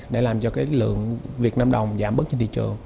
để làm cho cái lượng việt nam đồng giảm bớt trên thị trường